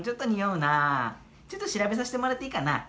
ちょっと調べさせてもらっていいかな？